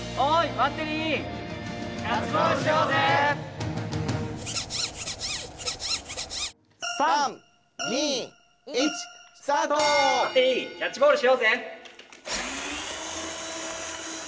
「バッテリー」キャッチボールしようぜ。